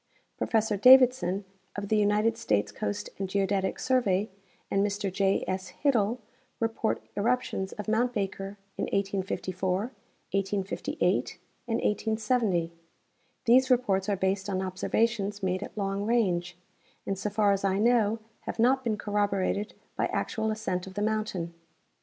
Professor Davidson, of the United States Coast and Geodetic Survey, and Mr J. S. Hittel report eruptions of mount Baker in 1854, 1858 and 1870. These reports are based on observations made at long range, and so far as I know have not been corroborated by actual ascent of the mountain.